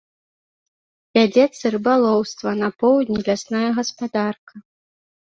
Вядзецца рыбалоўства, на поўдні лясная гаспадарка.